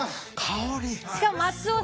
しかも松尾さん